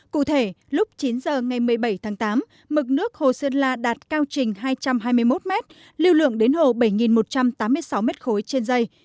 cụ thể lúc chín giờ ngày một mươi bảy tháng tám mực nước hồ sơn la đạt cao trình hai trăm hai mươi một mét lưu lượng đến hồ bảy một trăm tám mươi sáu mét khối trên dây